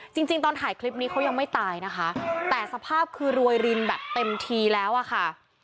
จริงจริงตอนถ่ายคลิปนี้เขายังไม่ตายนะคะแต่สภาพคือรวยรินแบบเต็มทีแล้วอะค่ะ